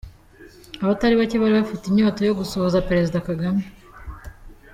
Abatari bacye bari bafite inyota yo gusuhuza Perezida Kagame.